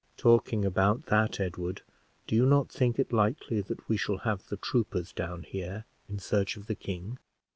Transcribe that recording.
"Talking about that, Edward, do you not think it likely that we shall have the troopers down here in search of the king?"